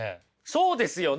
そうですよね。